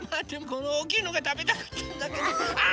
このおおきいのがたべたかったんだけどあ